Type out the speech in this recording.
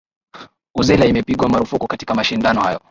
uzela imepigwa marufuku katika mashindano hayo